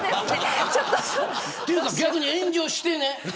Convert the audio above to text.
っていうか逆に炎上してね。